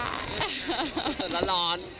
สดแล้วร้อน